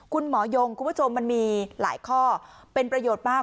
คุณหมอยงคุณผู้ชมมันมีหลายข้อเป็นประโยชน์มาก